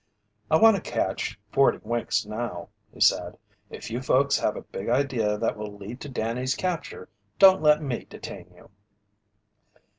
"I want to catch forty winks now," he said. "If you folks have a big idea that will lead to Danny's capture, don't let me detain you."